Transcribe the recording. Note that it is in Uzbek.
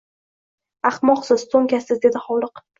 «Ahmoqsiz, to’nkasiz, — dedi hovliqib,-